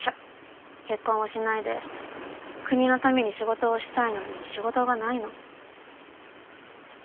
結婚をしないで国のために仕事をしたいのに仕事がないの。